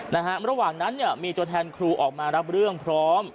นะฮะระหว่างนั้นเนี่ยมีตัวแทนครูออกมารับเรื่องพร้อม